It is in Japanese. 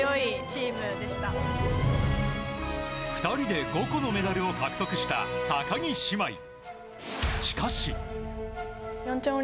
２人で５個のメダルを獲得した高木姉妹。